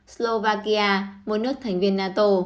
slovakia một nước thành viên nato